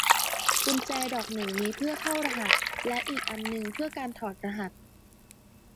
กุญแจดอกหนึ่งมีเพื่อเข้ารหัส แต่อีกอันหนึ่งเพื่อการถอดรหัส